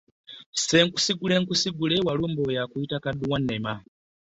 Senkusigule nkusigule walulumba oyo akuyita kaddu wanema.